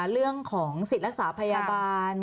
เรื่องของสิทธิ์รักษาพยาบาล